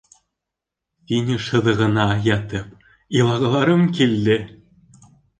Финиш һыҙығына ятып илағыларым килде!